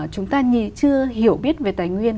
chúng ta chưa hiểu biết về tài nguyên